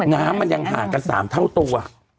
น้ำมันยังห่างกัน๓เท่าตัว